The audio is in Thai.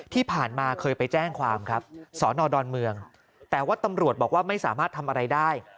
ที่ผ่านมาเคยไปแจ้งความครับสอนอดอนเมืองแต่ว่าตำรวจบอกว่าไม่สามารถทำอะไรได้